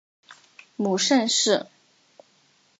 母盛氏。